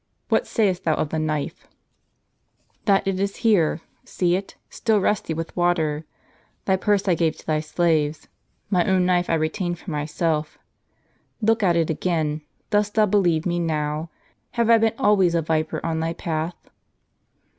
What sayest thou of the knife ?" "That it is here, see it, still rusty with the water; thy purse I gave to thy slaves; my own knife I retained for myself ; look at it again. Dost thou believe me now ? Have I been always a viper on thy path